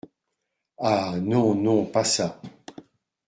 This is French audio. Ah ! non, non pas ça !